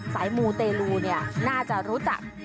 สายมูต์เตลูเนี่ยน่าจะรู้จักพระแม่กาลีดีนะคะ